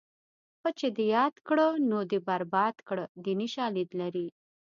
ښه چې دې یاد کړه نو دې برباد کړه دیني شالید لري